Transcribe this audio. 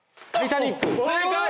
正解！